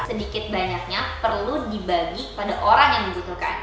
sedikit banyaknya perlu dibagi pada orang yang membutuhkan